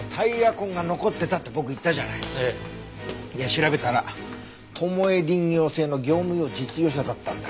調べたらトモエ輪業製の業務用実用車だったんだ。